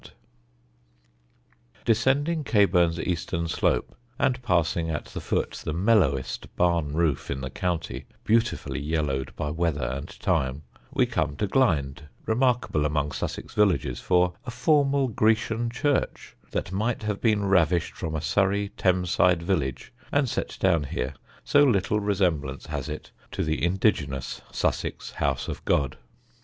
[Illustration: Glynde.] [Sidenote: GLYNDE] Descending Caburn's eastern slope, and passing at the foot the mellowest barn roof in the county, beautifully yellowed by weather and time, we come to Glynde, remarkable among Sussex villages for a formal Grecian church that might have been ravished from a Surrey Thames side village and set down here, so little resemblance has it to the indigenous Sussex House of God.